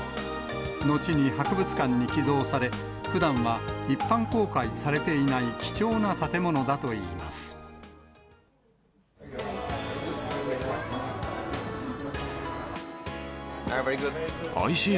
後に博物館に寄贈され、ふだんは一般公開されていない貴重な建物おいしい。